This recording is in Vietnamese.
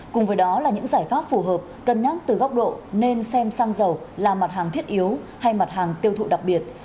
cùng với đó là những giải pháp phù hợp cân nhắc từ góc độ nên xem sang dầu là mặt hàng thiết yếu hay mặt hàng tiêu thụ đặc biệt